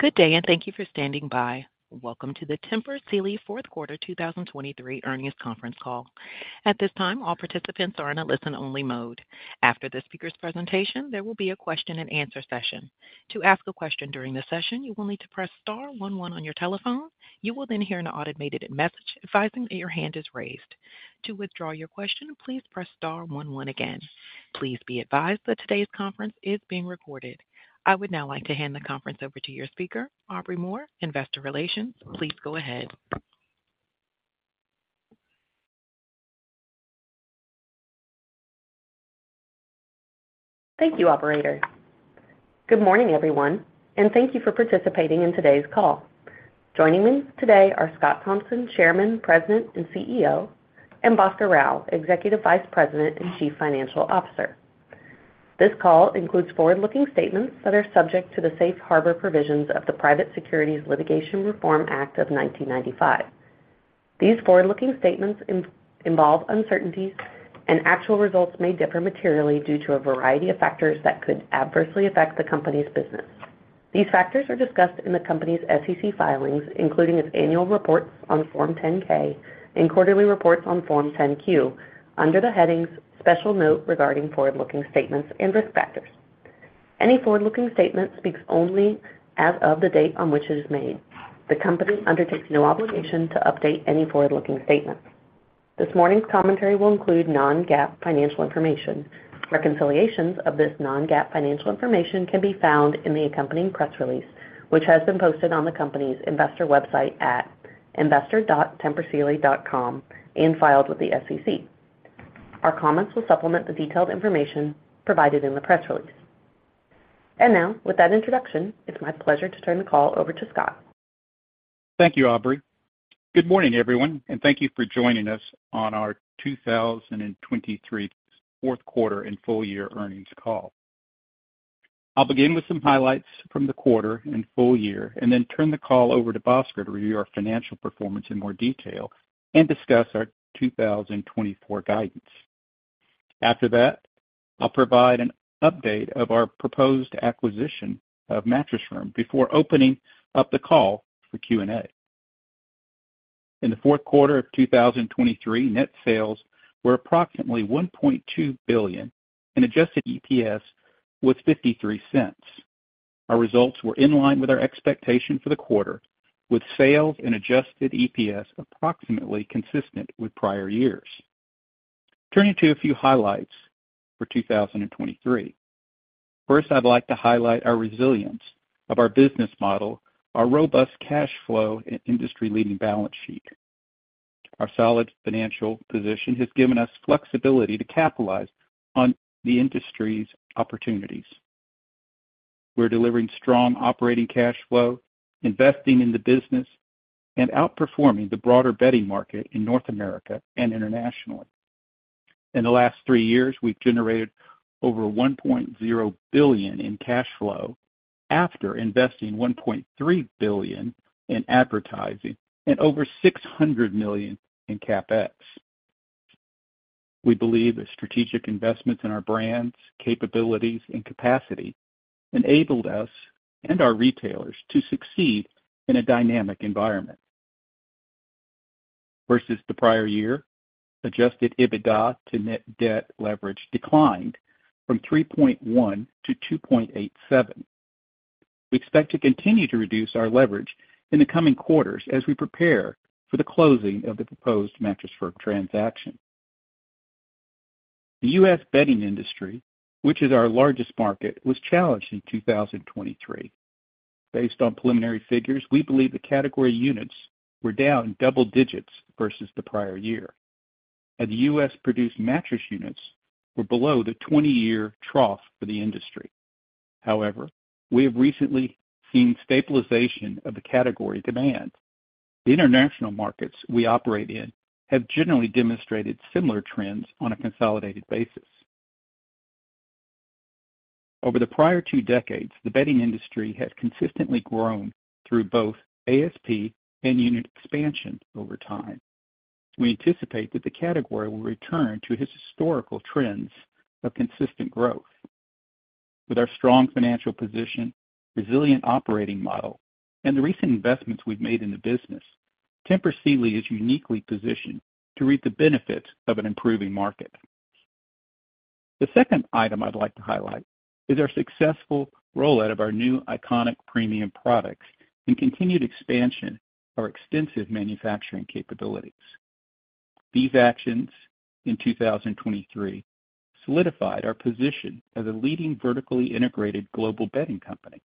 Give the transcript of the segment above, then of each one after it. Good day, and thank you for standing by. Welcome to the Tempur Sealy Fourth Quarter 2023 Earnings Conference Call. At this time, all participants are in a listen-only mode. After the speaker's presentation, there will be a question-and-answer session. To ask a question during the session, you will need to press star one one on your telephone. You will then hear an automated message advising that your hand is raised. To withdraw your question, please press star one one again. Please be advised that today's conference is being recorded. I would now like to hand the conference over to your speaker, Aubrey Moore, Investor Relations. Please go ahead. Thank you, operator. Good morning, everyone, and thank you for participating in today's call. Joining me today are Scott Thompson, Chairman, President, and CEO, and Bhaskar Rao, Executive Vice President and Chief Financial Officer. This call includes forward-looking statements that are subject to the safe harbor provisions of the Private Securities Litigation Reform Act of 1995. These forward-looking statements involve uncertainties, and actual results may differ materially due to a variety of factors that could adversely affect the company's business. These factors are discussed in the company's SEC filings, including its annual reports on Form 10-K and quarterly reports on Form 10-Q, under the headings "Special Note Regarding Forward-Looking Statements and Risk Factors." Any forward-looking statement speaks only as of the date on which it is made. The company undertakes no obligation to update any forward-looking statements. This morning's commentary will include non-GAAP financial information. Reconciliations of this non-GAAP financial information can be found in the accompanying press release, which has been posted on the company's investor website at investor.tempursealy.com and filed with the SEC. Our comments will supplement the detailed information provided in the press release. Now, with that introduction, it's my pleasure to turn the call over to Scott. Thank you, Aubrey. Good morning, everyone, and thank you for joining us on our 2023 fourth quarter and full year earnings call. I'll begin with some highlights from the quarter and full year, and then turn the call over to Bhaskar to review our financial performance in more detail and discuss our 2024 guidance. After that, I'll provide an update of our proposed acquisition of Mattress Firm before opening up the call for Q&A. In the fourth quarter of 2023, net sales were approximately $1.2 billion, and Adjusted EPS was $0.53. Our results were in line with our expectation for the quarter, with sales and Adjusted EPS approximately consistent with prior years. Turning to a few highlights for 2023. First, I'd like to highlight our resilience of our business model, our robust cash flow, and industry-leading balance sheet. Our solid financial position has given us flexibility to capitalize on the industry's opportunities. We're delivering strong operating cash flow, investing in the business, and outperforming the broader bedding market in North America and internationally. In the last three years, we've generated over $1.0 billion in cash flow after investing $1.3 billion in advertising and over $600 million in CapEx. We believe the strategic investments in our brands, capabilities, and capacity enabled us and our retailers to succeed in a dynamic environment. Versus the prior year, adjusted EBITDA to net debt leverage declined from 3.1 to 2.87. We expect to continue to reduce our leverage in the coming quarters as we prepare for the closing of the proposed Mattress Firm transaction. The U.S. bedding industry, which is our largest market, was challenged in 2023. Based on preliminary figures, we believe the category units were down double digits versus the prior year, and the U.S.-produced mattress units were below the 20-year trough for the industry. However, we have recently seen stabilization of the category demand. The international markets we operate in have generally demonstrated similar trends on a consolidated basis. Over the prior two decades, the bedding industry has consistently grown through both ASP and unit expansion over time. We anticipate that the category will return to its historical trends of consistent growth. With our strong financial position, resilient operating model, and the recent investments we've made in the business, Tempur Sealy is uniquely positioned to reap the benefits of an improving market. The second item I'd like to highlight is our successful rollout of our new iconic premium products and continued expansion of our extensive manufacturing capabilities. These actions in 2023 solidified our position as a leading vertically integrated global bedding company.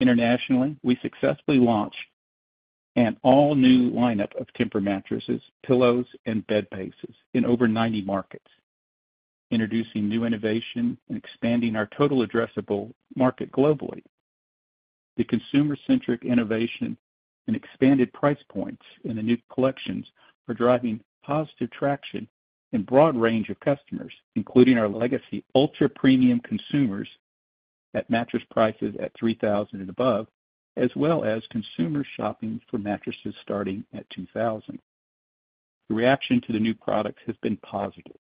Internationally, we successfully launched an all-new lineup of Tempur mattresses, pillows, and bed bases in over 90 markets, introducing new innovation and expanding our total addressable market globally. The consumer-centric innovation and expanded price points in the new collections are driving positive traction in broad range of customers, including our legacy ultra-premium consumers, at mattress prices at $3,000 and above, as well as consumers shopping for mattresses starting at $2,000.... The reaction to the new products has been positive.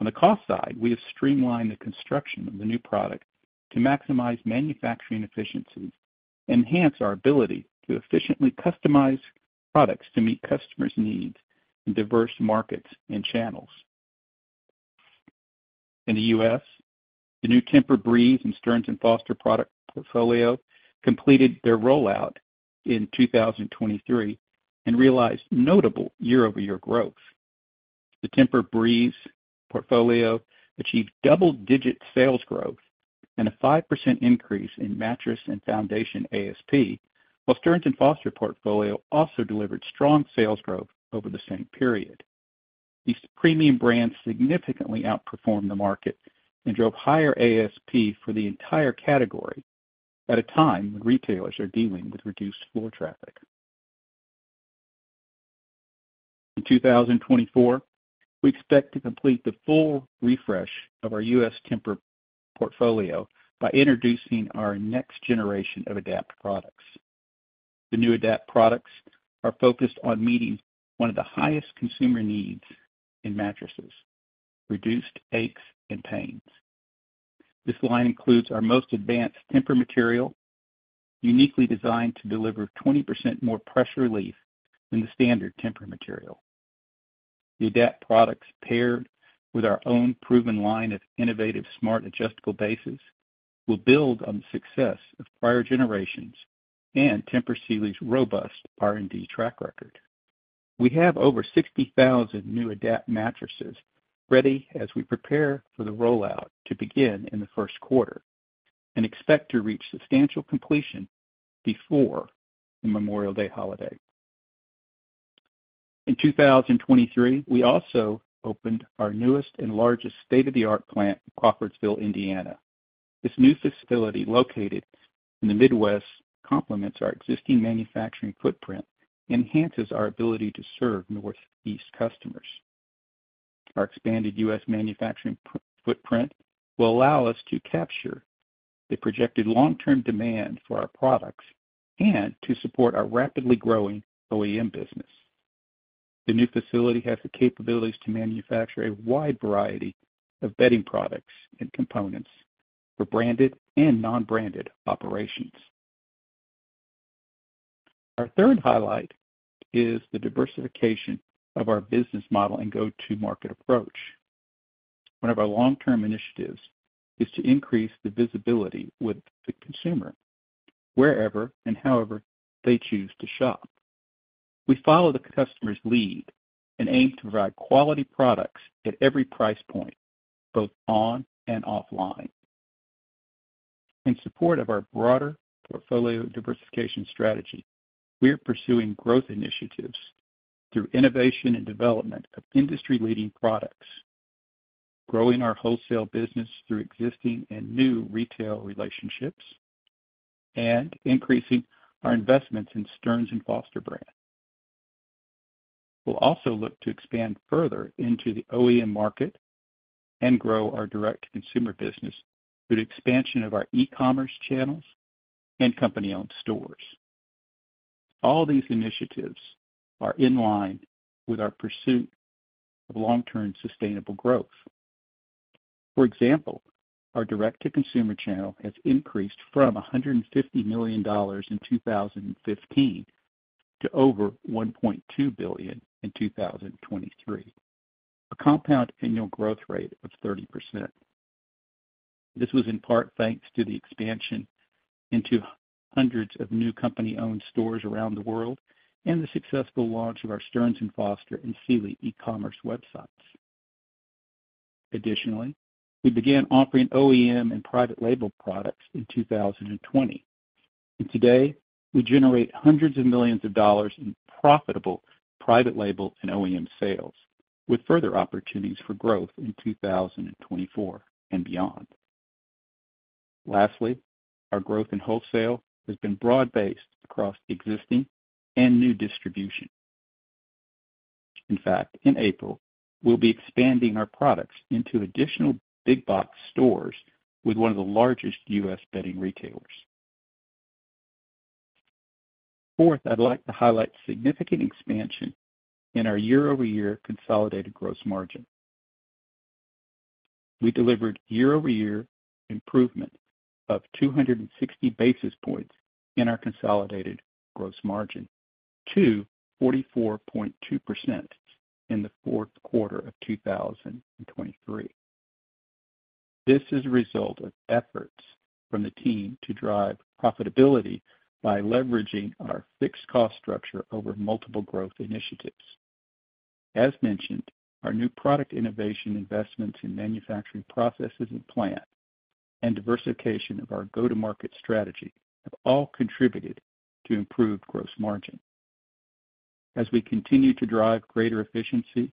On the cost side, we have streamlined the construction of the new product to maximize manufacturing efficiencies and enhance our ability to efficiently customize products to meet customers' needs in diverse markets and channels. In the U.S., the new Tempur-Breeze and Stearns & Foster product portfolio completed their rollout in 2023 and realized notable year-over-year growth. The Tempur-Breeze portfolio achieved double-digit sales growth and a 5% increase in mattress and foundation ASP, while Stearns & Foster portfolio also delivered strong sales growth over the same period. These premium brands significantly outperformed the market and drove higher ASP for the entire category at a time when retailers are dealing with reduced floor traffic. In 2024, we expect to complete the full refresh of our U.S. Tempur portfolio by introducing our next generation of Adapt products. The new Adapt products are focused on meeting one of the highest consumer needs in mattresses: reduced aches and pains. This line includes our most advanced TEMPUR material, uniquely designed to deliver 20% more pressure relief than the standard TEMPUR material. The Adapt products, paired with our own proven line of innovative, smart, adjustable bases, will build on the success of prior generations and Tempur Sealy's robust R&D track record. We have over 60,000 new Adapt mattresses ready as we prepare for the rollout to begin in the first quarter and expect to reach substantial completion before the Memorial Day holiday. In 2023, we also opened our newest and largest state-of-the-art plant in Crawfordsville, Indiana. This new facility, located in the Midwest, complements our existing manufacturing footprint and enhances our ability to serve Northeast customers. Our expanded U.S. manufacturing footprint will allow us to capture the projected long-term demand for our products and to support our rapidly growing OEM business. The new facility has the capabilities to manufacture a wide variety of bedding products and components for branded and non-branded operations. Our third highlight is the diversification of our business model and go-to-market approach. One of our long-term initiatives is to increase the visibility with the consumer, wherever and however they choose to shop. We follow the customer's lead and aim to provide quality products at every price point, both on and offline. In support of our broader portfolio diversification strategy, we are pursuing growth initiatives through innovation and development of industry-leading products, growing our wholesale business through existing and new retail relationships, and increasing our investments in Stearns & Foster brands. We'll also look to expand further into the OEM market and grow our direct-to-consumer business through the expansion of our e-commerce channels and company-owned stores. All these initiatives are in line with our pursuit of long-term, sustainable growth. For example, our direct-to-consumer channel has increased from $150 million in 2015 to over $1.2 billion in 2023, a compound annual growth rate of 30%. This was in part thanks to the expansion into hundreds of new company-owned stores around the world and the successful launch of our Stearns & Foster and Sealy e-commerce websites. Additionally, we began offering OEM and private label products in 2020, and today, we generate hundreds of millions of dollars in profitable private label and OEM sales, with further opportunities for growth in 2024 and beyond. Lastly, our growth in wholesale has been broad-based across existing and new distribution. In fact, in April, we'll be expanding our products into additional big box stores with one of the largest U.S. bedding retailers. Fourth, I'd like to highlight significant expansion in our year-over-year consolidated gross margin. We delivered year-over-year improvement of 260 basis points in our consolidated gross margin to 44.2% in the fourth quarter of 2023. This is a result of efforts from the team to drive profitability by leveraging our fixed cost structure over multiple growth initiatives. As mentioned, our new product innovation, investments in manufacturing processes and plant, and diversification of our go-to-market strategy have all contributed to improved gross margin. As we continue to drive greater efficiency,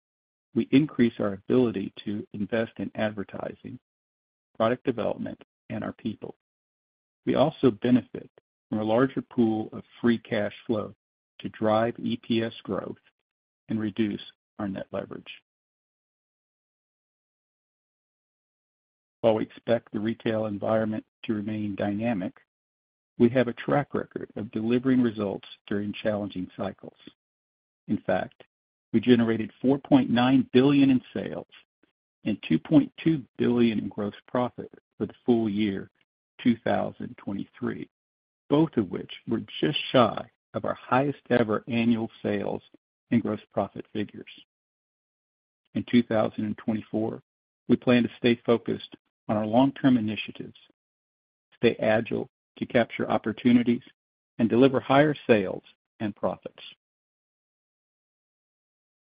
we increase our ability to invest in advertising, product development, and our people. We also benefit from a larger pool of free cash flow to drive EPS growth and reduce our net leverage. While we expect the retail environment to remain dynamic, we have a track record of delivering results during challenging cycles. In fact, we generated $4.9 billion in sales and $2.2 billion in gross profit for the full year 2023, both of which were just shy of our highest-ever annual sales and gross profit figures. In 2024, we plan to stay focused on our long-term initiatives, stay agile to capture opportunities, and deliver higher sales and profits.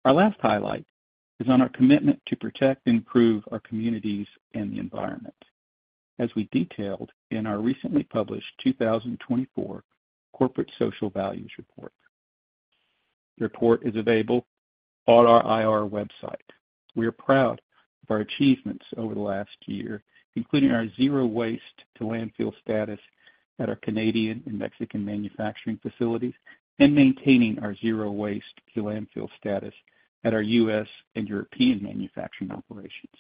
Our last highlight is on our commitment to protect and improve our communities and the environment, as we detailed in our recently published 2024 Corporate Social Values Report. The report is available on our IR website. We are proud of our achievements over the last year, including our zero waste to landfill status at our Canadian and Mexican manufacturing facilities, and maintaining our zero waste to landfill status at our U.S. and European manufacturing operations.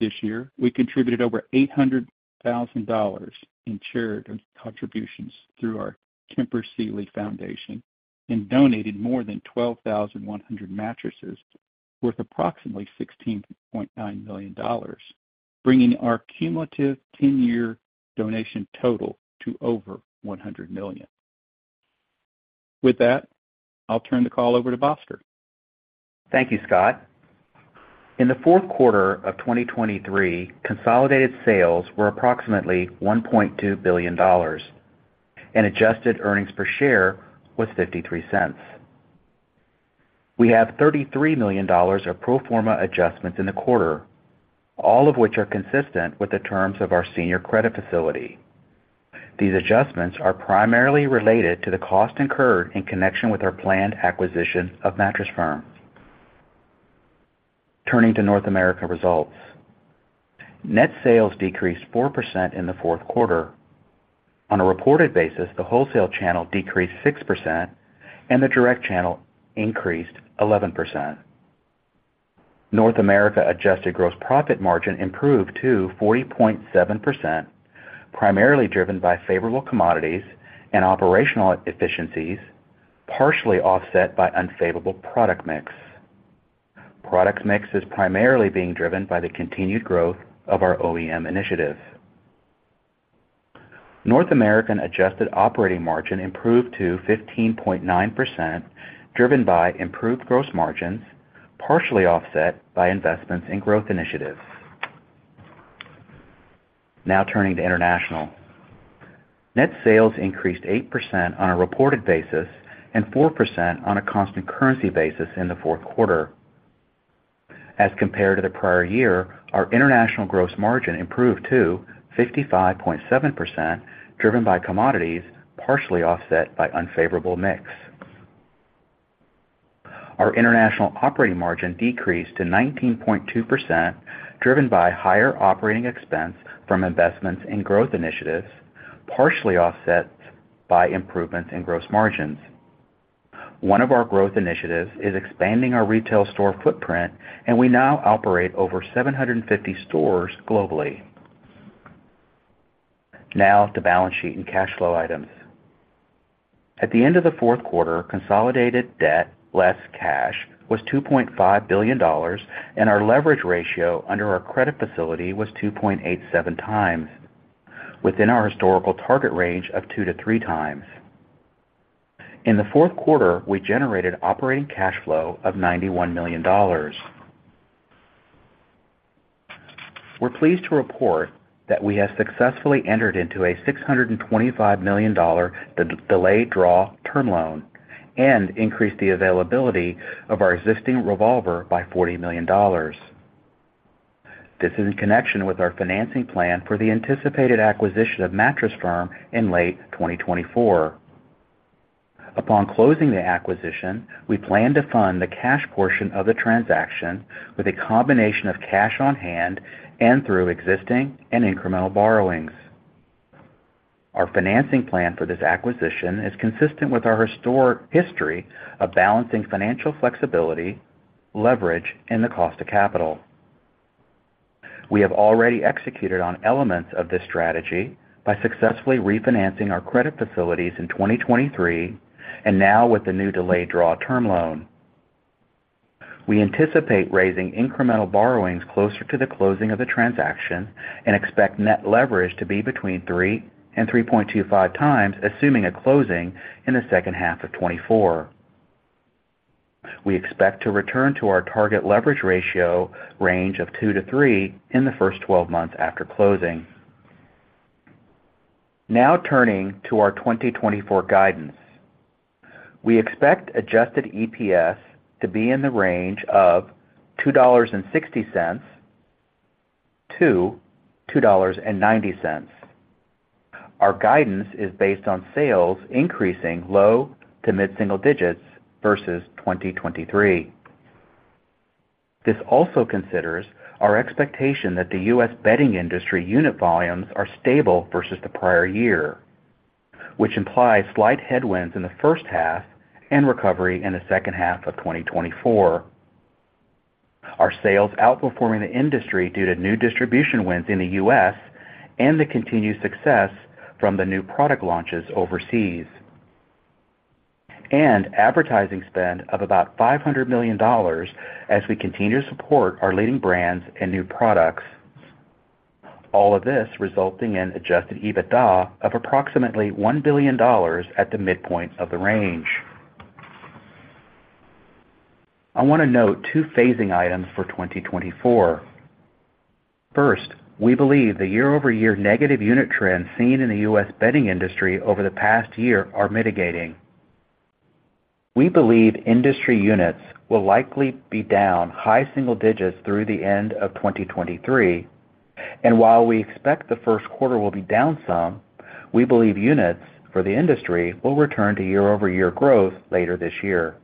This year, we contributed over $800,000 in charitable contributions through our Tempur Sealy Foundation and donated more than 12,100 mattresses, worth approximately $16.9 million, bringing our cumulative ten-year donation total to over $100 million. With that, I'll turn the call over to Bhaskar. Thank you, Scott. In the fourth quarter of 2023, consolidated sales were approximately $1.2 billion, and adjusted earnings per share was $0.53. We have $33 million of pro forma adjustments in the quarter, all of which are consistent with the terms of our senior credit facility. These adjustments are primarily related to the cost incurred in connection with our planned acquisition of Mattress Firm. Turning to North America results. Net sales decreased 4% in the fourth quarter. On a reported basis, the wholesale channel decreased 6% and the direct channel increased 11%. North America adjusted gross profit margin improved to 40.7%, primarily driven by favorable commodities and operational efficiencies, partially offset by unfavorable product mix. Product mix is primarily being driven by the continued growth of our OEM initiative. North American adjusted operating margin improved to 15.9%, driven by improved gross margins, partially offset by investments in growth initiatives. Now turning to international. Net sales increased 8% on a reported basis and 4% on a constant currency basis in the fourth quarter. As compared to the prior year, our international gross margin improved to 55.7%, driven by commodities, partially offset by unfavorable mix. Our international operating margin decreased to 19.2%, driven by higher operating expense from investments in growth initiatives, partially offset by improvements in gross margins. One of our growth initiatives is expanding our retail store footprint, and we now operate over 750 stores globally. Now to balance sheet and cash flow items. At the end of the fourth quarter, consolidated debt, less cash, was $2.5 billion, and our leverage ratio under our credit facility was 2.87 times, within our historical target range of 2-3 times. In the fourth quarter, we generated operating cash flow of $91 million. We're pleased to report that we have successfully entered into a $625 million delayed draw term loan and increased the availability of our existing revolver by $40 million. This is in connection with our financing plan for the anticipated acquisition of Mattress Firm in late 2024. Upon closing the acquisition, we plan to fund the cash portion of the transaction with a combination of cash on hand and through existing and incremental borrowings. Our financing plan for this acquisition is consistent with our historic history of balancing financial flexibility, leverage, and the cost of capital. We have already executed on elements of this strategy by successfully refinancing our credit facilities in 2023 and now with the new delayed draw term loan. We anticipate raising incremental borrowings closer to the closing of the transaction and expect net leverage to be between 3x-3.25x, assuming a closing in the second half of 2024. We expect to return to our target leverage ratio range of 2-3 in the first 12 months after closing. Now, turning to our 2024 guidance. We expect adjusted EPS to be in the range of $2.60-$2.90. Our guidance is based on sales increasing low to mid-single digits versus 2023. This also considers our expectation that the U.S. bedding industry unit volumes are stable versus the prior year, which implies slight headwinds in the first half and recovery in the second half of 2024. Our sales outperforming the industry due to new distribution wins in the U.S. and the continued success from the new product launches overseas. Advertising spend of about $500 million as we continue to support our leading brands and new products. All of this resulting in Adjusted EBITDA of approximately $1 billion at the midpoint of the range. I want to note two phasing items for 2024. First, we believe the year-over-year negative unit trends seen in the U.S. bedding industry over the past year are mitigating. We believe industry units will likely be down high single digits through the end of 2023, and while we expect the first quarter will be down some, we believe units for the industry will return to year-over-year growth later this year.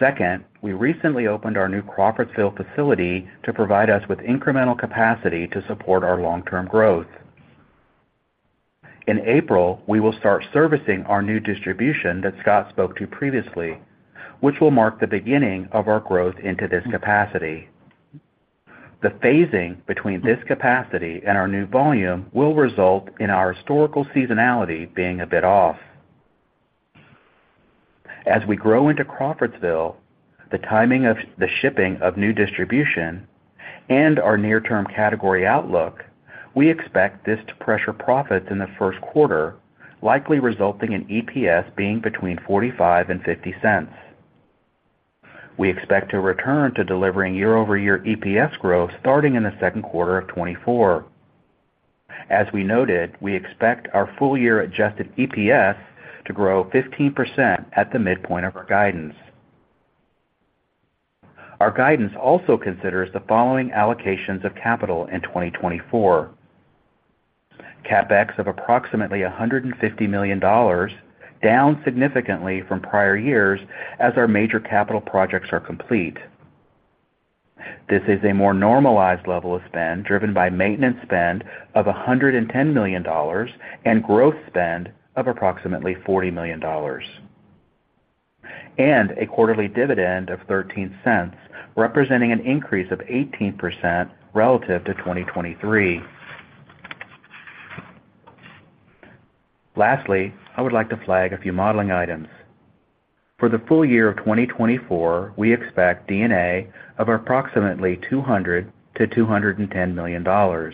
Second, we recently opened our new Crawfordsville facility to provide us with incremental capacity to support our long-term growth. In April, we will start servicing our new distribution that Scott spoke to previously, which will mark the beginning of our growth into this capacity. The phasing between this capacity and our new volume will result in our historical seasonality being a bit off. As we grow into Crawfordsville, the timing of the shipping of new distribution and our near-term category outlook, we expect this to pressure profits in the first quarter, likely resulting in EPS being between $0.45 and $0.50. We expect to return to delivering year-over-year EPS growth starting in the second quarter of 2024. As we noted, we expect our full-year adjusted EPS to grow 15% at the midpoint of our guidance. Our guidance also considers the following allocations of capital in 2024: CapEx of approximately $150 million, down significantly from prior years as our major capital projects are complete. This is a more normalized level of spend, driven by maintenance spend of $110 million and growth spend of approximately $40 million, and a quarterly dividend of $0.13, representing an increase of 18% relative to 2023. Lastly, I would like to flag a few modeling items. For the full year of 2024, we expect D&A of approximately $200 million-$210 million,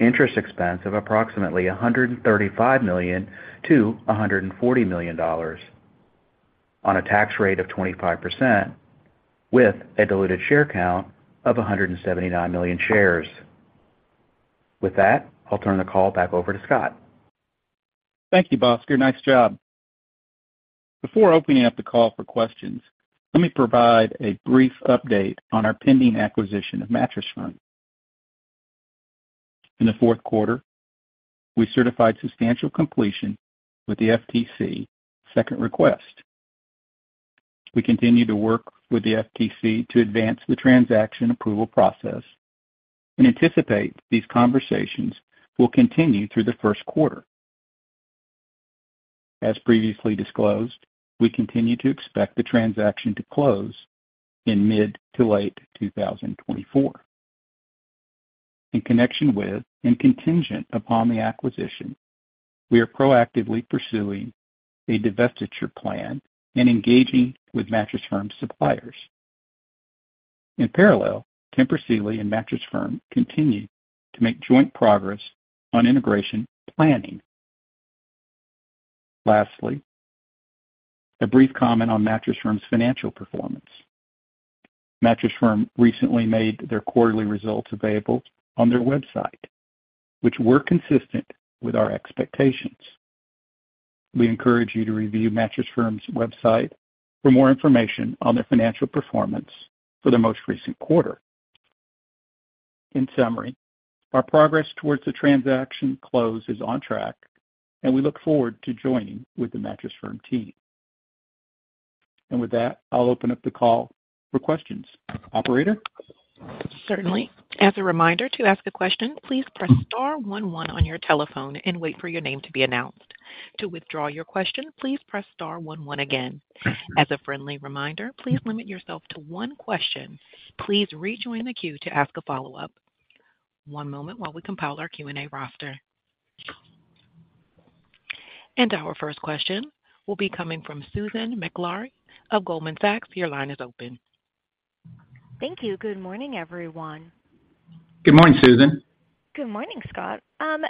interest expense of approximately $135 million-$140 million on a tax rate of 25%, with a diluted share count of 179 million shares. With that, I'll turn the call back over to Scott. Thank you, Bhaskar. Nice job. Before opening up the call for questions, let me provide a brief update on our pending acquisition of Mattress Firm. In the fourth quarter, we certified substantial completion with the FTC Second Request. We continue to work with the FTC to advance the transaction approval process and anticipate these conversations will continue through the first quarter. As previously disclosed, we continue to expect the transaction to close in mid- to late 2024. In connection with and contingent upon the acquisition, we are proactively pursuing a divestiture plan and engaging with Mattress Firm's suppliers. In parallel, Tempur Sealy and Mattress Firm continue to make joint progress on integration planning. Lastly, a brief comment on Mattress Firm's financial performance. Mattress Firm recently made their quarterly results available on their website, which were consistent with our expectations. We encourage you to review Mattress Firm's website for more information on their financial performance for their most recent quarter. In summary, our progress towards the transaction close is on track, and we look forward to joining with the Mattress Firm team. With that, I'll open up the call for questions. Operator? Certainly. As a reminder, to ask a question, please press star one one on your telephone and wait for your name to be announced. To withdraw your question, please press star one one again. Thank you. As a friendly reminder, please limit yourself to one question. Please rejoin the queue to ask a follow-up. One moment while we compile our Q&A roster. Our first question will be coming from Susan Maklari of Goldman Sachs. Your line is open. Thank you. Good morning, everyone. Good morning, Susan. Good morning, Scott.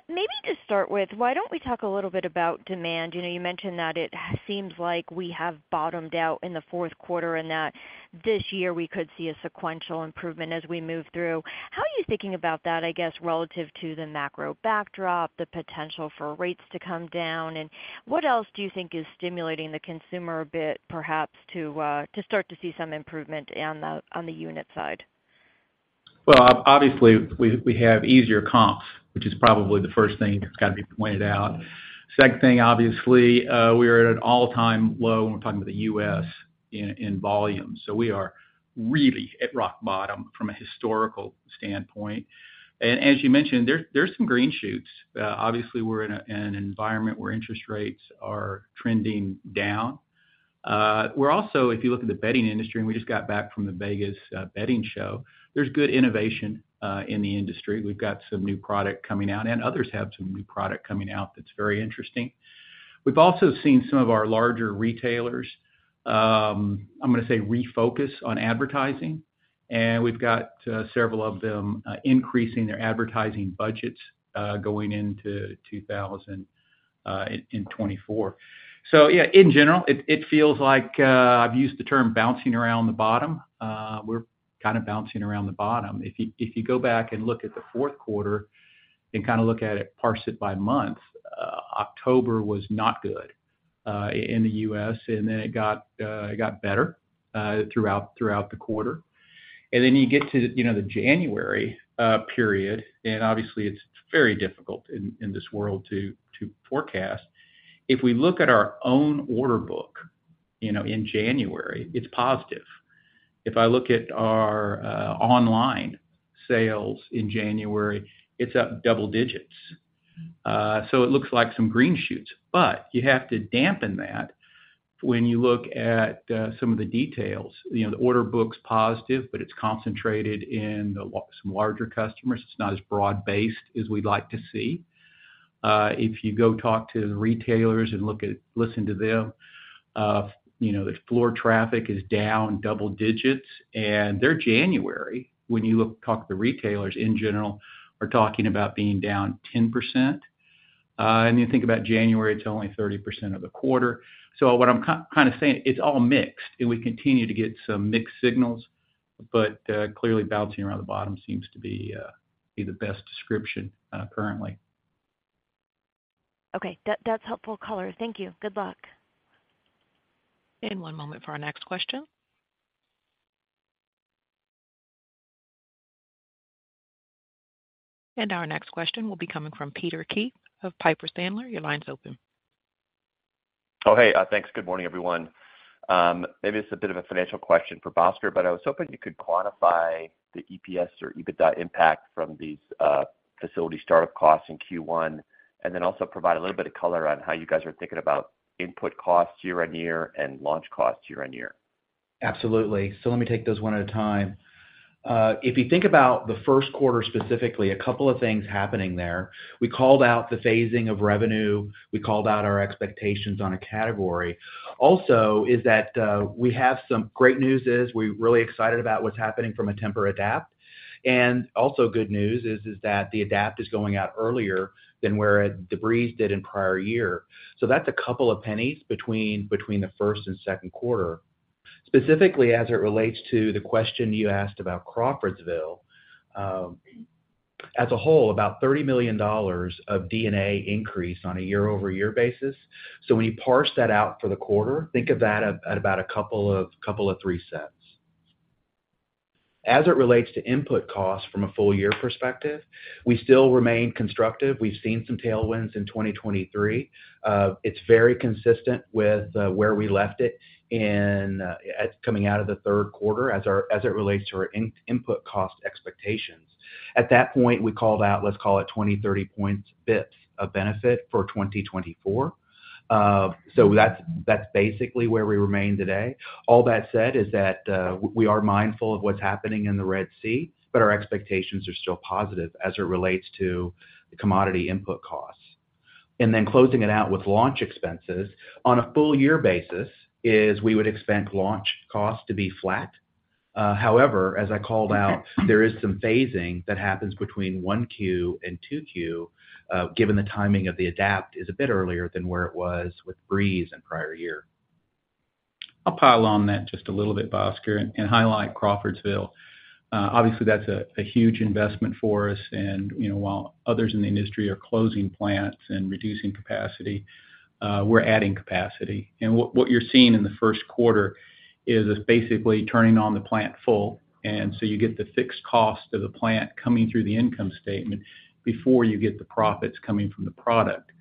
Maybe to start with, why don't we talk a little bit about demand? You know, you mentioned that it seems like we have bottomed out in the fourth quarter and that this year we could see a sequential improvement as we move through. How are you thinking about that, I guess, relative to the macro backdrop, the potential for rates to come down? And what else do you think is stimulating the consumer a bit, perhaps, to start to see some improvement on the unit side? Well, obviously, we have easier comps, which is probably the first thing that's got to be pointed out. Second thing, obviously, we are at an all-time low, and we're talking about the U.S. in volume. So we are really at rock bottom from a historical standpoint. And as you mentioned, there's some green shoots. Obviously, we're in an environment where interest rates are trending down. We're also, if you look at the bedding industry, and we just got back from the Las Vegas bedding show, there's good innovation in the industry. We've got some new product coming out, and others have some new product coming out that's very interesting. We've also seen some of our larger retailers, I'm gonna say, refocus on advertising, and we've got several of them increasing their advertising budgets going into 2024. So yeah, in general, it feels like I've used the term bouncing around the bottom. We're kind of bouncing around the bottom. If you go back and look at the fourth quarter and kind of look at it, parse it by month, October was not good in the U.S., and then it got better throughout the quarter. And then you get to, you know, the January period, and obviously, it's very difficult in this world to forecast. If we look at our own order book, you know, in January, it's positive. If I look at our online sales in January, it's up double digits. So it looks like some green shoots, but you have to dampen that when you look at some of the details. You know, the order book's positive, but it's concentrated in the way of some larger customers. It's not as broad-based as we'd like to see. If you go talk to the retailers and listen to them, you know, the floor traffic is down double digits, and their January, when you look, talk to the retailers, in general, are talking about being down 10%. And you think about January, it's only 30% of the quarter. So what I'm kind of saying, it's all mixed, and we continue to get some mixed signals, but clearly bouncing around the bottom seems to be the best description currently. Okay. That's helpful color. Thank you. Good luck. One moment for our next question. Our next question will be coming from Peter Keith of Piper Sandler. Your line's open. Oh, hey, thanks. Good morning, everyone. Maybe this is a bit of a financial question for Bhaskar, but I was hoping you could quantify the EPS or EBITDA impact from these facility startup costs in Q1, and then also provide a little bit of color on how you guys are thinking about input costs year-over-year and launch costs year-over-year? Absolutely. So let me take those one at a time. If you think about the first quarter, specifically, a couple of things happening there. We called out the phasing of revenue, we called out our expectations on a category. Also, we have some great news; we're really excited about what's happening from a Tempur-Adapt, and also good news is that the Adapt is going out earlier than where the Breeze did in prior year. So that's a couple of cents between the first and second quarter. Specifically, as it relates to the question you asked about Crawfordsville, as a whole, about $30 million of D&A increase on a year-over-year basis. So when you parse that out for the quarter, think of that at about a couple of three cents. As it relates to input costs from a full-year perspective, we still remain constructive. We've seen some tailwinds in 2023. It's very consistent with where we left it in as coming out of the third quarter, as it relates to our input cost expectations. At that point, we called out, let's call it, 20 basis points-30 basis points of benefit for 2024. So that's basically where we remain today. All that said, we are mindful of what's happening in the Red Sea, but our expectations are still positive as it relates to the commodity input costs. And then closing it out with launch expenses, on a full year basis, we would expect launch costs to be flat. However, as I called out, there is some phasing that happens between Q1 and Q2, given the timing of the Adapt is a bit earlier than where it was with Breeze in prior year. I'll pile on that just a little bit, Bhaskar, and highlight Crawfordsville. Obviously, that's a huge investment for us, and, you know, while others in the industry are closing plants and reducing capacity, we're adding capacity. And what you're seeing in the first quarter is basically turning on the plant full, and so you get the fixed cost of the plant coming through the income statement before you get the profits coming from the product,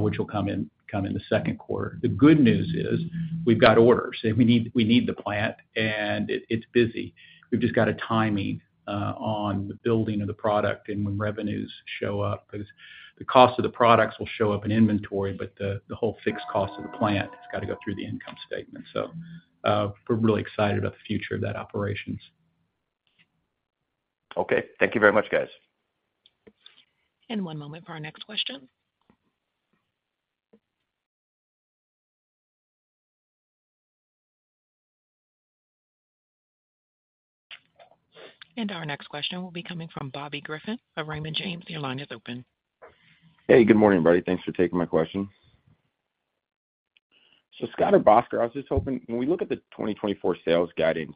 which will come in the second quarter. The good news is we've got orders, and we need the plant, and it's busy. We've just got a timing on the building of the product and when revenues show up. 'Cause the cost of the products will show up in inventory, but the whole fixed cost of the plant has got to go through the income statement. So, we're really excited about the future of that operations. Okay. Thank you very much, guys. One moment for our next question. Our next question will be coming from Bobby Griffin of Raymond James. Your line is open. Hey, good morning, everybody. Thanks for taking my question. So Scott or Bhaskar, I was just hoping, when we look at the 2024 sales guidance,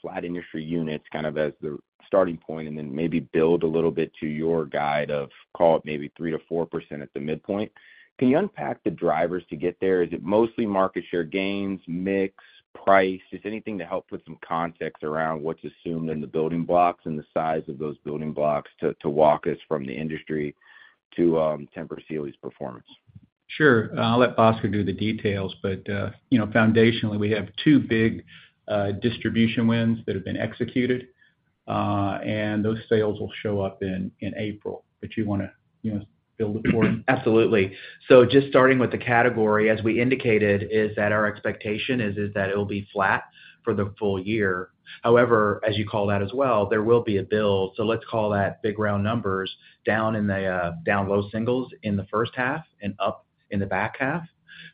flat industry units, kind of as the starting point, and then maybe build a little bit to your guide of call it maybe 3%-4% at the midpoint, can you unpack the drivers to get there? Is it mostly market share gains, mix, price? Just anything to help put some context around what's assumed in the building blocks and the size of those building blocks to, to walk us from the industry to Tempur Sealy's performance? Sure. I'll let Bhaskar do the details, but, you know, foundationally, we have two big distribution wins that have been executed, and those sales will show up in April. But you wanna, you know, build the board? Absolutely. So just starting with the category, as we indicated, is that our expectation is that it will be flat for the full year. However, as you call that as well, there will be a build. So let's call that big round numbers down low singles in the first half and up in the back half.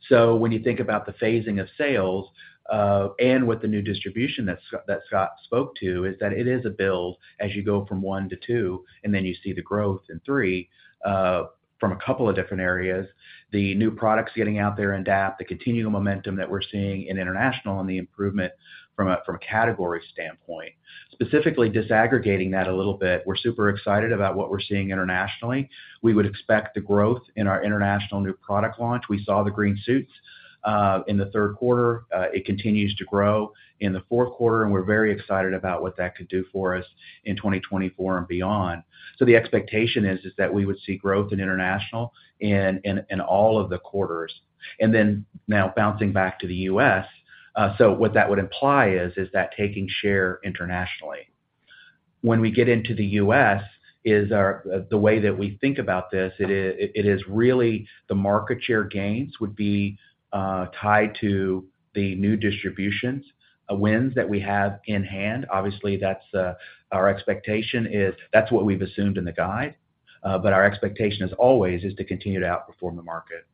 So when you think about the phasing of sales and with the new distribution that Scott spoke to, is that it is a build as you go from one to two, and then you see the growth in three from a couple of different areas. The new products getting out there in Adapt, the continuing momentum that we're seeing in international and the improvement from a category standpoint. Specifically, disaggregating that a little bit, we're super excited about what we're seeing internationally. We would expect the growth in our international new product launch. We saw the green shoots in the third quarter. It continues to grow in the fourth quarter, and we're very excited about what that could do for us in 2024 and beyond. So the expectation is that we would see growth in international in all of the quarters. And then now bouncing back to the U.S., so what that would imply is that taking share internationally. When we get into the U.S., our the way that we think about this, it is really the market share gains would be tied to the new distributions wins that we have in hand. Obviously, that's, our expectation is that's what we've assumed in the guide, but our expectation is always is to continue to outperform the market.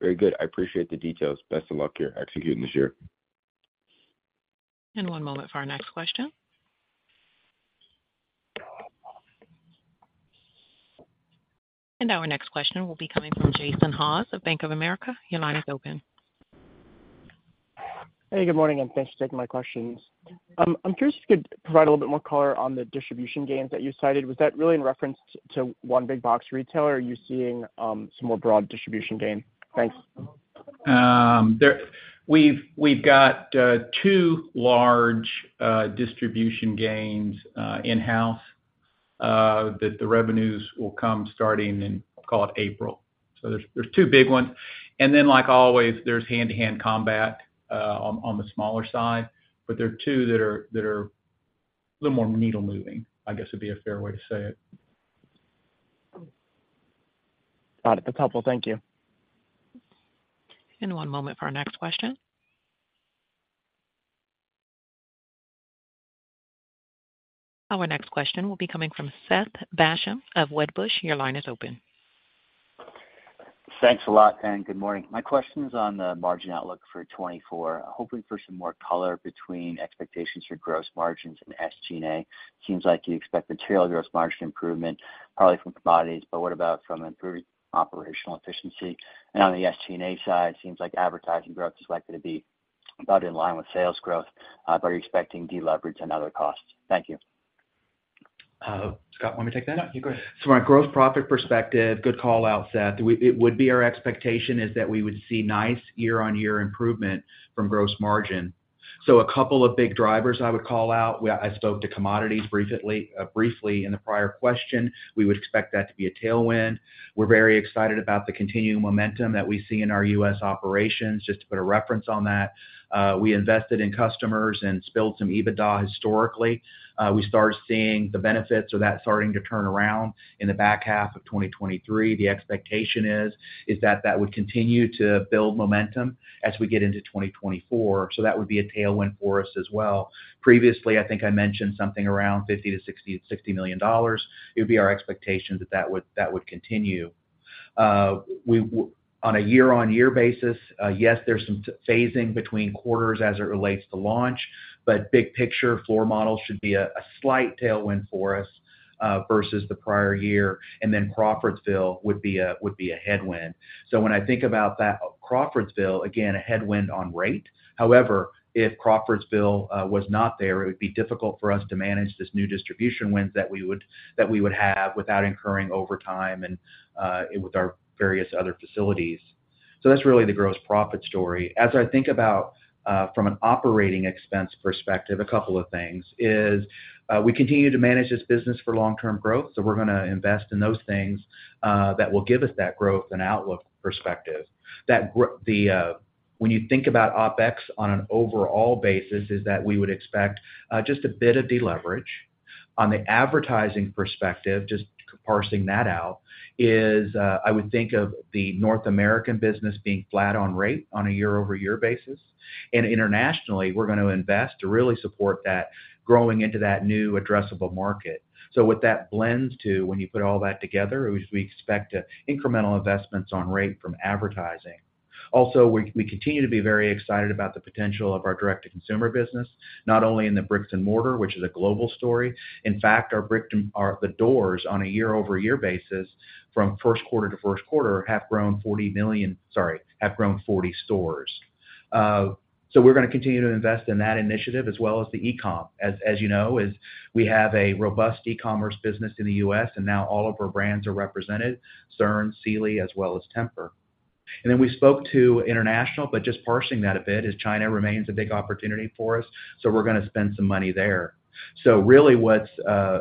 Very good. I appreciate the details. Best of luck here executing this year. One moment for our next question. Our next question will be coming from Jason Haas of Bank of America. Your line is open. Hey, good morning, and thanks for taking my questions. I'm curious if you could provide a little bit more color on the distribution gains that you cited. Was that really in reference to one big box retailer, or are you seeing some more broad distribution gain? Thanks. There we've got two large distribution gains in-house that the revenues will come starting in, call it April. So there's two big ones. And then, like always, there's hand-to-hand combat on the smaller side, but there are two that are a little more needle moving, I guess, would be a fair way to say it. Got it. A couple. Thank you. One moment for our next question. Our next question will be coming from Seth Basham of Wedbush. Your line is open. Thanks a lot, and good morning. My question is on the margin outlook for 2024. Hoping for some more color between expectations for gross margins and SG&A. Seems like you expect material gross margin improvement, probably from commodities, but what about from improved operational efficiency? And on the SG&A side, it seems like advertising growth is likely to be about in line with sales growth, by expecting deleverage and other costs. Thank you. Scott, want me to take that? Yeah, go ahead. So from a gross profit perspective, good call out, Seth. It would be our expectation that we would see nice year-on-year improvement from gross margin. So a couple of big drivers I would call out: I spoke to commodities briefly in the prior question. We would expect that to be a tailwind. We're very excited about the continuing momentum that we see in our U.S. operations. Just to put a reference on that, we invested in customers and spilled some EBITDA historically. We started seeing the benefits of that starting to turn around in the back half of 2023. The expectation is that that would continue to build momentum as we get into 2024. So that would be a tailwind for us as well. Previously, I think I mentioned something around $50 million-$60 million. It would be our expectation that that would continue. On a year-on-year basis, yes, there's some phasing between quarters as it relates to launch, but big picture floor models should be a slight tailwind for us versus the prior year, and then Crawfordsville would be a headwind. So when I think about that, Crawfordsville, again, a headwind on rate. However, if Crawfordsville was not there, it would be difficult for us to manage this new distribution wins that we would have without incurring overtime and with our various other facilities. So that's really the gross profit story. As I think about from an operating expense perspective, a couple of things is we continue to manage this business for long-term growth, so we're gonna invest in those things that will give us that growth and outlook perspective. That, when you think about OpEx on an overall basis, is that we would expect just a bit of deleverage. On the advertising perspective, just parsing that out, is I would think of the North American business being flat on rate on a year-over-year basis. And internationally, we're going to invest to really support that growing into that new addressable market. So what that blends to, when you put all that together, is we expect incremental investments on rate from advertising. Also, we continue to be very excited about the potential of our direct-to-consumer business, not only in the bricks-and-mortar, which is a global story. In fact, our brick-and-mortar doors on a year-over-year basis from first quarter to first quarter have grown 40 million, sorry, have grown 40 stores. So we're gonna continue to invest in that initiative as well as the e-com. As you know, we have a robust e-commerce business in the U.S., and now all of our brands are represented, Stearns, Sealy, as well as Tempur. Then we spoke to international, but just parsing that a bit, China remains a big opportunity for us, so we're going to spend some money there. Really what's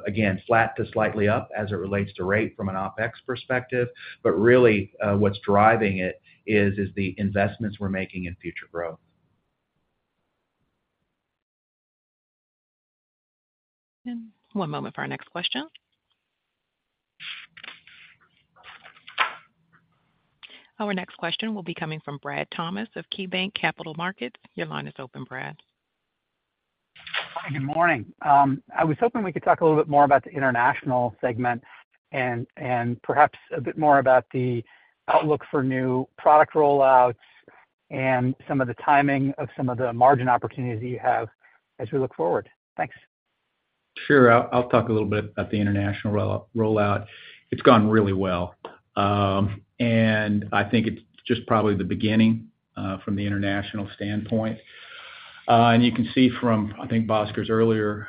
again flat to slightly up as it relates to rate from an OpEx perspective, but really what's driving it is the investments we're making in future growth. One moment for our next question. Our next question will be coming from Brad Thomas of KeyBanc Capital Markets. Your line is open, Brad. Hi, good morning. I was hoping we could talk a little bit more about the international segment and perhaps a bit more about the outlook for new product rollouts and some of the timing of some of the margin opportunities that you have as we look forward. Thanks. Sure. I'll talk a little bit about the international rollout. It's gone really well. And I think it's just probably the beginning from the international standpoint. And you can see from, I think, Bhaskar's earlier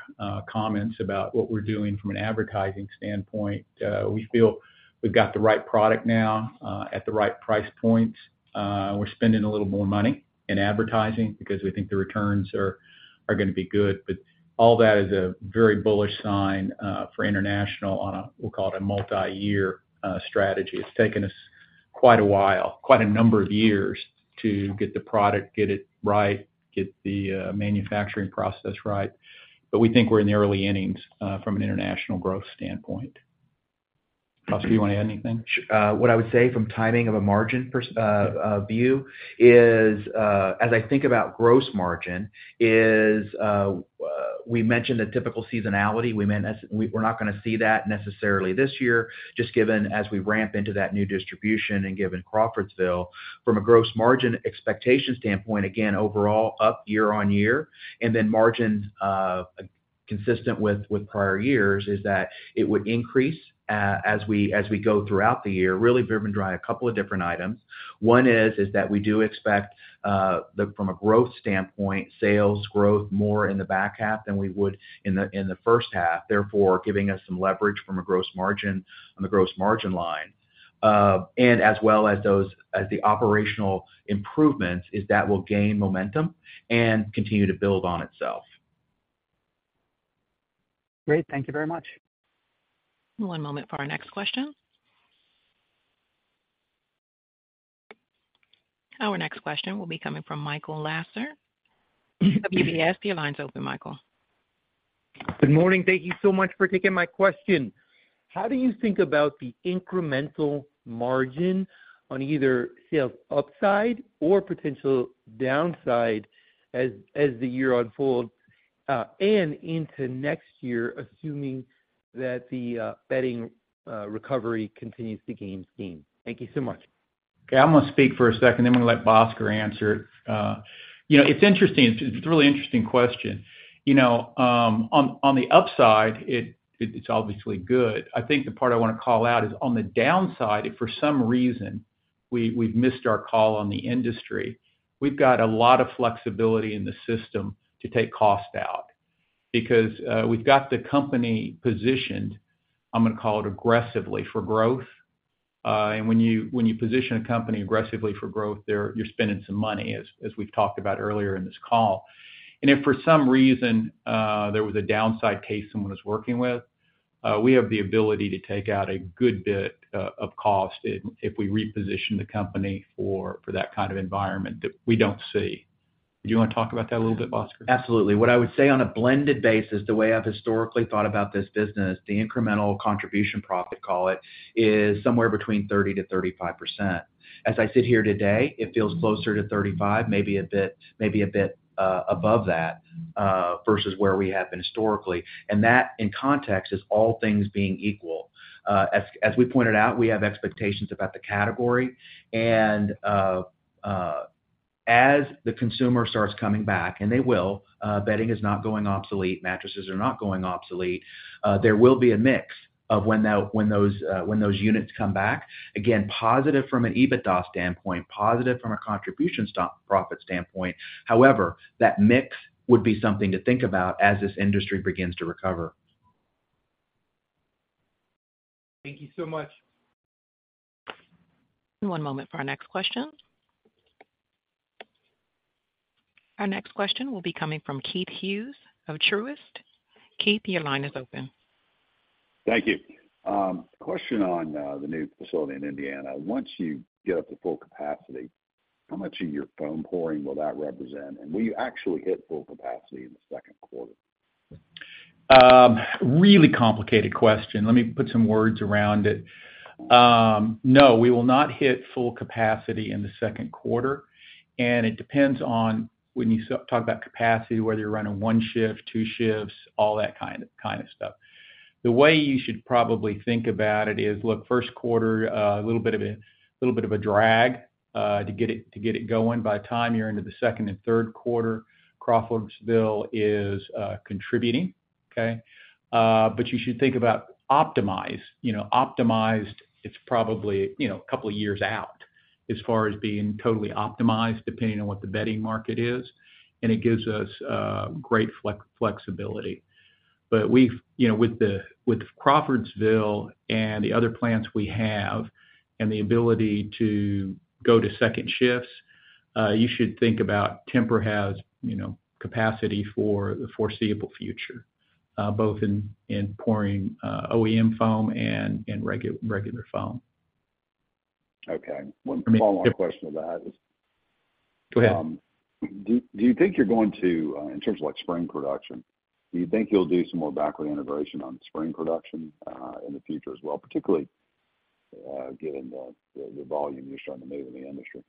comments about what we're doing from an advertising standpoint, we feel we've got the right product now at the right price points. We're spending a little more money in advertising because we think the returns are going to be good. But all that is a very bullish sign for international on a, we'll call it a multi-year strategy. It's taken us quite a while, quite a number of years to get the product, get it right, get the manufacturing process right. But we think we're in the early innings from an international growth standpoint. Bhaskar, do you want to add anything? Sure. What I would say from timing of a margin perspective is, as I think about gross margin, is, we mentioned the typical seasonality. We meant we're not going to see that necessarily this year, just given as we ramp into that new distribution and given Crawfordsville, from a gross margin expectation standpoint, again, overall, up year-over-year, and then margin consistent with prior years, is that it would increase as we go throughout the year, really driven by a couple of different items. One is that we do expect from a growth standpoint, sales growth more in the back half than we would in the first half, therefore, giving us some leverage from a gross margin on the gross margin line. And as well as those, as the operational improvements, is that will gain momentum and continue to build on itself. Great. Thank you very much. One moment for our next question. Our next question will be coming from Michael Lasser, UBS. Your line's open, Michael. Good morning. Thank you so much for taking my question. How do you think about the incremental margin on either sales upside or potential downside as, as the year unfolds, and into next year, assuming that the, bedding, recovery continues to gain steam? Thank you so much. Okay, I'm going to speak for a second, then I'm going to let Bhaskar answer it. You know, it's interesting. It's a really interesting question. You know, on the upside, it's obviously good. I think the part I want to call out is on the downside, if for some reason we've missed our call on the industry, we've got a lot of flexibility in the system to take cost out because we've got the company positioned, I'm going to call it aggressively, for growth. And when you position a company aggressively for growth, you're spending some money, as we've talked about earlier in this call. If for some reason there was a downside case someone was working with, we have the ability to take out a good bit of cost if we reposition the company for that kind of environment that we don't see. Do you want to talk about that a little bit, Bhaskar? Absolutely. What I would say on a blended basis, the way I've historically thought about this business, the incremental contribution profit, call it, is somewhere between 30%-35%. As I sit here today, it feels closer to 35%, maybe a bit, maybe a bit, above that, versus where we have been historically. And that, in context, is all things being equal. As we pointed out, we have expectations about the category, and, as the consumer starts coming back, and they will, bedding is not going obsolete, mattresses are not going obsolete, there will be a mix of when that- when those, when those units come back. Again, positive from an EBITDA standpoint, positive from a contribution profit standpoint. However, that mix would be something to think about as this industry begins to recover. Thank you so much. One moment for our next question. Our next question will be coming from Keith Hughes of Truist. Keith, your line is open. Thank you. Question on the new facility in Indiana. Once you get up to full capacity, how much of your foam pouring will that represent? And will you actually hit full capacity in the second quarter? Really complicated question. Let me put some words around it. No, we will not hit full capacity in the second quarter, and it depends on when you talk about capacity, whether you're running one shift, two shifts, all that kind of stuff. The way you should probably think about it is, look, first quarter, a little bit of a drag to get it going. By the time you're into the second and third quarter, Crawfordsville is contributing, okay? But you should think about optimized. You know, optimized, it's probably a couple of years out as far as being totally optimized, depending on what the bedding market is, and it gives us great flexibility.... But we've, you know, with Crawfordsville and the other plants we have, and the ability to go to second shifts, you should think about Tempur has, you know, capacity for the foreseeable future, both in pouring OEM foam and in regular foam. Okay. One follow-up question to that is- Go ahead. Do you think you're going to, in terms of, like, spring production, do you think you'll do some more backward integration on spring production, in the future as well, particularly, given the, the volume you're starting to move in the industry?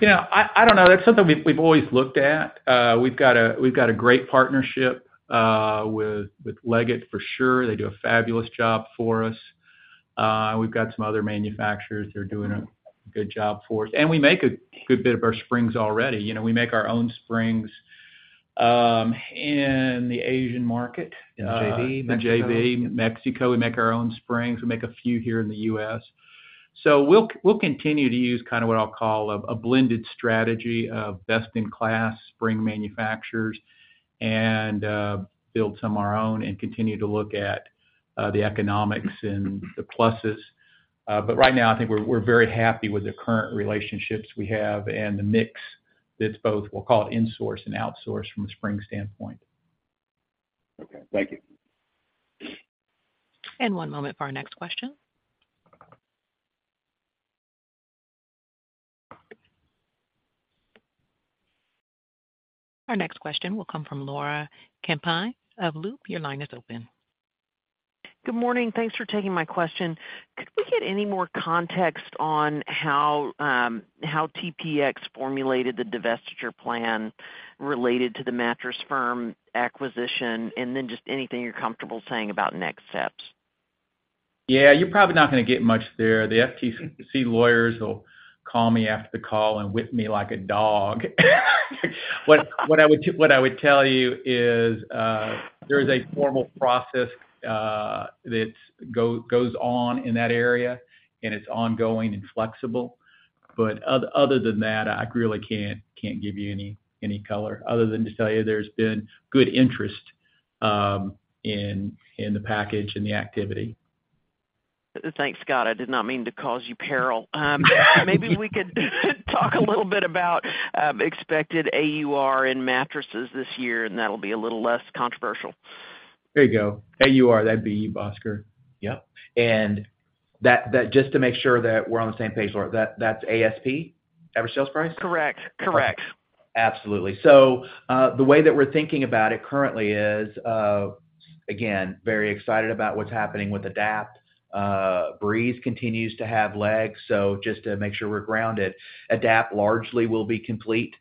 Yeah, I don't know. That's something we've always looked at. We've got a great partnership with Leggett, for sure. They do a fabulous job for us. We've got some other manufacturers that are doing a good job for us. And we make a good bit of our springs already. You know, we make our own springs in the Asian market. In the JV, Mexico. The JV Mexico, we make our own springs. We make a few here in the U.S. So we'll continue to use kind of what I'll call a blended strategy of best-in-class spring manufacturers and build some our own and continue to look at the economics and the pluses. But right now, I think we're very happy with the current relationships we have and the mix that's both, we'll call it insource and outsource from a spring standpoint. Okay. Thank you. One moment for our next question. Our next question will come from Laura Champine of Loop. Your line is open. Good morning. Thanks for taking my question. Could we get any more context on how, how TPX formulated the divestiture plan related to the Mattress Firm acquisition, and then just anything you're comfortable saying about next steps? Yeah, you're probably not gonna get much there. The FTC lawyers will call me after the call and whip me like a dog. What I would tell you is, there is a formal process that goes on in that area, and it's ongoing and flexible. But other than that, I really can't give you any color other than to tell you there's been good interest in the package and the activity. Thanks, Scott. I did not mean to cause you peril. Maybe we could talk a little bit about expected AUR in mattresses this year, and that'll be a little less controversial. There you go. AUR, that'd be you, Bhaskar. Yep. And just to make sure that we're on the same page, Laura, that's ASP? Average sales price? Correct. Correct. Absolutely. So, the way that we're thinking about it currently is, again, very excited about what's happening with Adapt. Breeze continues to have legs, so just to make sure we're grounded, Adapt largely will be complete,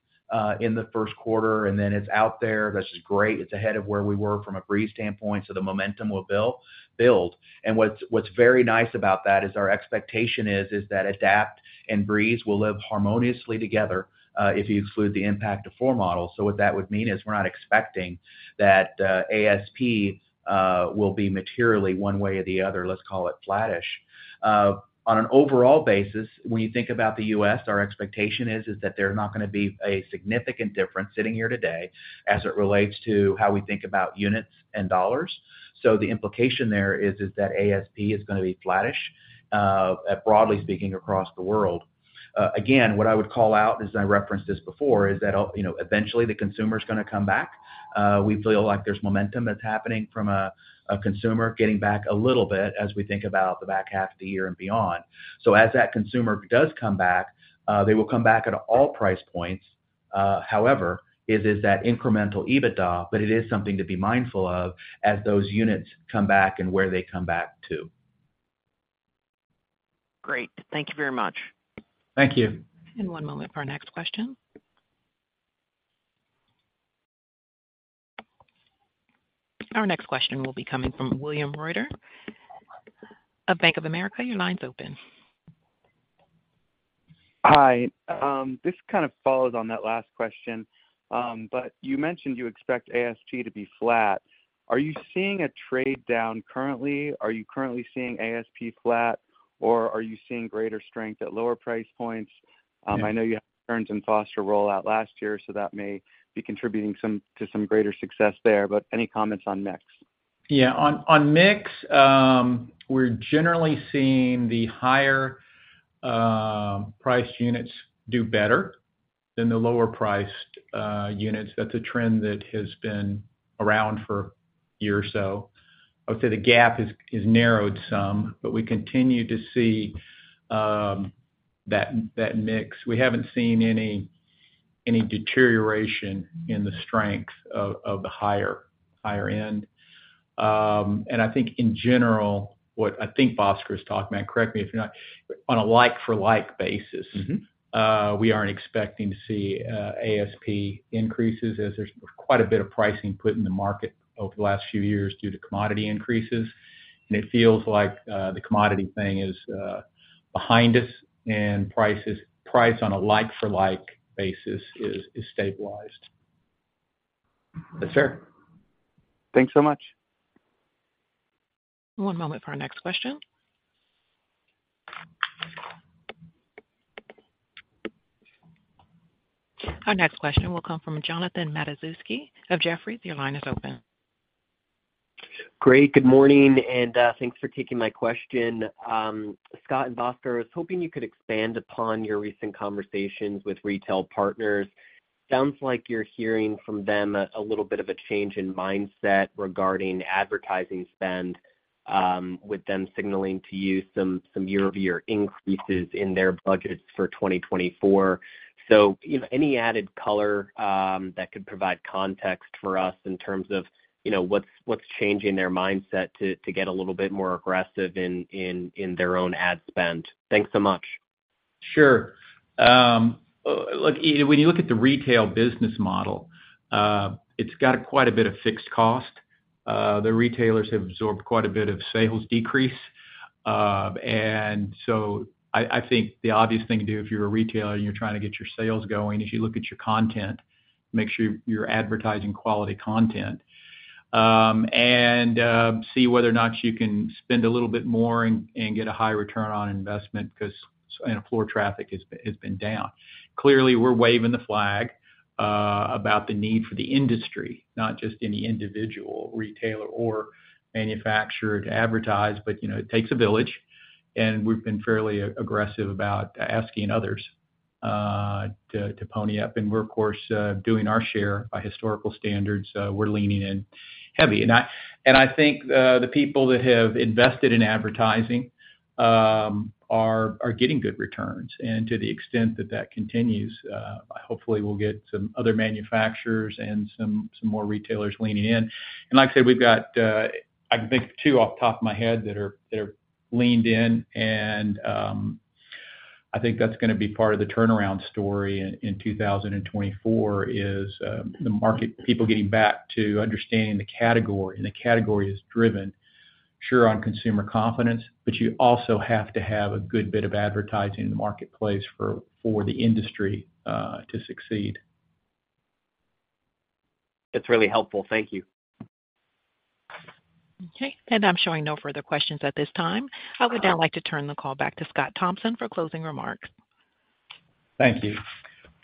in the first quarter, and then it's out there. This is great. It's ahead of where we were from a Breeze standpoint, so the momentum will build, build. And what's, what's very nice about that is our expectation is, is that Adapt and Breeze will live harmoniously together, if you exclude the impact of floor models. So what that would mean is we're not expecting that, ASP, will be materially one way or the other, let's call it flattish. On an overall basis, when you think about the U.S., our expectation is that there's not gonna be a significant difference sitting here today as it relates to how we think about units and dollars. So the implication there is that ASP is gonna be flattish, broadly speaking, across the world. Again, what I would call out, as I referenced this before, is that, you know, eventually the consumer is gonna come back. We feel like there's momentum that's happening from a consumer getting back a little bit as we think about the back half of the year and beyond. So as that consumer does come back, they will come back at all price points. However, it is that incremental EBITDA, but it is something to be mindful of as those units come back and where they come back to. Great. Thank you very much. Thank you. One moment for our next question. Our next question will be coming from William Reuter of Bank of America. Your line's open. Hi. This kind of follows on that last question, but you mentioned you expect ASP to be flat. Are you seeing a trade-down currently? Are you currently seeing ASP flat, or are you seeing greater strength at lower price points? Yeah. I know you have Stearns & Foster rollout last year, so that may be contributing some to some greater success there, but any comments on mix? Yeah, on mix, we're generally seeing the higher price units do better than the lower priced units. That's a trend that has been around for a year or so. I would say the gap has narrowed some, but we continue to see that mix. We haven't seen any deterioration in the strength of the higher end. And I think in general, what I think Bhaskar is talking about, correct me if you're not, on a like-for-like basis- Mm-hmm. We aren't expecting to see ASP increases as there's quite a bit of pricing put in the market over the last few years due to commodity increases. And it feels like the commodity thing is behind us, and price on a like-for-like basis is stabilized. Yes, sir. Thanks so much. One moment for our next question. Our next question will come from Jonathan Matuszewski of Jefferies. Your line is open. Great, good morning, and thanks for taking my question. Scott and Bhaskar, I was hoping you could expand upon your recent conversations with retail partners. Sounds like you're hearing from them a little bit of a change in mindset regarding advertising spend, with them signaling to you some year-over-year increases in their budgets for 2024. So, you know, any added color that could provide context for us in terms of, you know, what's changing their mindset to get a little bit more aggressive in their own ad spend? Thanks so much. Sure. Look, when you look at the retail business model, it's got quite a bit of fixed cost. The retailers have absorbed quite a bit of sales decrease. And so I think the obvious thing to do if you're a retailer, and you're trying to get your sales going, is you look at your content, make sure you're advertising quality content, and see whether or not you can spend a little bit more and get a high return on investment because and floor traffic has been down. Clearly, we're waving the flag about the need for the industry, not just any individual retailer or manufacturer to advertise, but you know, it takes a village, and we've been fairly aggressive about asking others to pony up. And we're of course doing our share. By historical standards, we're leaning in heavy. And I think the people that have invested in advertising are getting good returns. And to the extent that that continues, hopefully we'll get some other manufacturers and some more retailers leaning in. And like I said, we've got, I can think of two off the top of my head that are leaned in, and I think that's gonna be part of the turnaround story in 2024, is the market—people getting back to understanding the category, and the category is driven, sure, on consumer confidence, but you also have to have a good bit of advertising in the marketplace for the industry to succeed. That's really helpful. Thank you. Okay, and I'm showing no further questions at this time. I would now like to turn the call back to Scott Thompson for closing remarks. Thank you.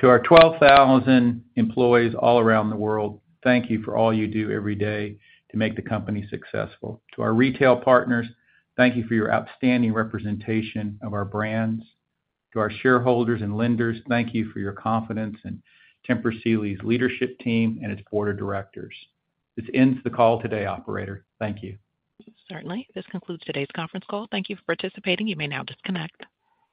To our 12,000 employees all around the world, thank you for all you do every day to make the company successful. To our retail partners, thank you for your outstanding representation of our brands. To our shareholders and lenders, thank you for your confidence in Tempur Sealy's leadership team and its board of directors. This ends the call today, operator. Thank you. Certainly. This concludes today's conference call. Thank you for participating. You may now disconnect.